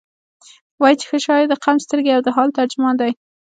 وایي چې ښه شاعر د قوم سترګې او د حال ترجمان دی.